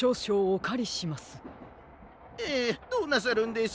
ええどうなさるんです？